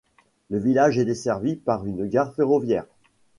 Le village est desservi par une gare ferroviaire.